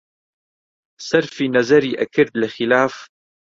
سەرفی نەزەری ئەکرد لە خیلاف